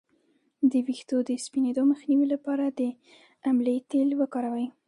د ویښتو د سپینیدو مخنیوي لپاره د املې تېل وکاروئ